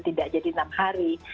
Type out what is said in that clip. tidak jadi enam hari